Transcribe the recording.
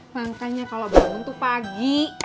rangkanya kalo belomun tuh pagi